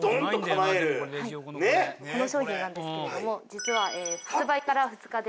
この商品なんですけれども実は。